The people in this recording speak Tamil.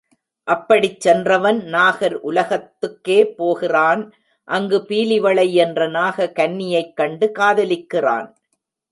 அப்படிச் சென்றவன் நாகர் உலகத்துக்கே போகிறான் அங்கு பீலிவளை என்ற நாக கன்னியைக்கண்டு காதலிக்கிறான்.